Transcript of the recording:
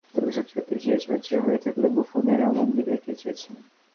তবে সত্যি সত্যিই শেষ ম্যাচ হয়ে থাকলে বুফনের এমন বিদায় কে চেয়েছে।